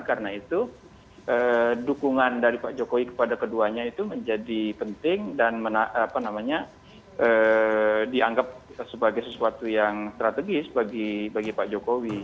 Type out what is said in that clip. karena itu dukungan dari pak jokowi kepada keduanya itu menjadi penting dan dianggap sebagai sesuatu yang strategis bagi pak jokowi